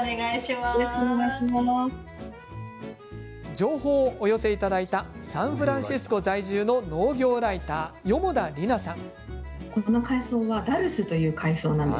情報をお寄せいただいたサンフランシスコ在住の農業ライター、四方田里奈さん。